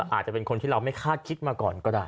อาจจะเป็นคนที่เราไม่คาดคิดมาก่อนก็ได้